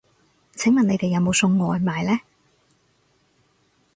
請問你哋有冇送外賣呢